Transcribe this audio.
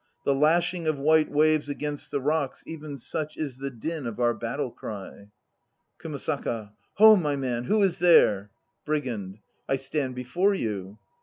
The lashing of white waves against the rocks, even such is the din of our battle cry. KUMASAKA. Ho, my man! Who is there? BRIGAND. I stand before you.